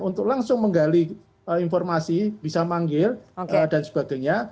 untuk langsung menggali informasi bisa manggil dan sebagainya